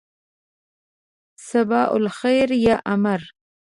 صباح الخیر یا امیر.